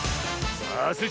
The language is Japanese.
さあスイ